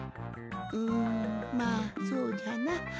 んまあそうじゃな。